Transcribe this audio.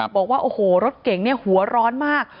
บอกว่าโอ้โหรถเก่งเนี่ยหัวร้อนมาก